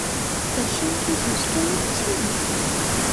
ফেংশি কি দুষ্টু লোক ছিলো?